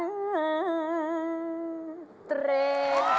เตรนเตรนเตรนเตรน